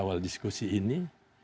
di awal diskusi ini